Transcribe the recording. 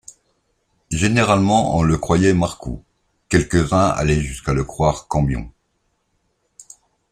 Généralement on le croyait marcou, quelques-uns allaient jusqu’à le croire cambion.